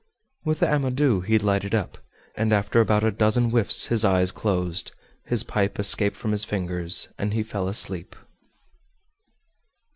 With the amadou he lighted up, and after about a dozen whiffs his eyes closed, his pipe escaped from his fingers, and he fell asleep.